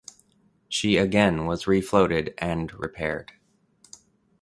She again was refloated and repaired.